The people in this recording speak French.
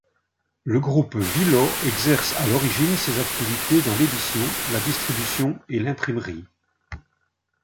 Le groupe Vilo exerce à l'origine ses activités dans l'édition, la distribution et l'imprimerie.